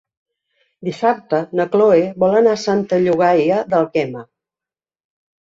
Dissabte na Cloè vol anar a Santa Llogaia d'Àlguema.